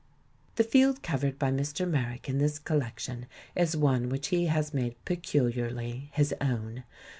The field covered by Mr. Merrick in this col lection is one which he has made peculiarly his own.